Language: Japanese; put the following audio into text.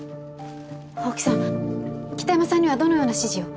青木さん北山さんにはどのような指示を？